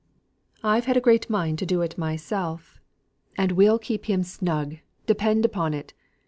I've had a great mind to do it myself. And we'll keep him snug, depend upon it.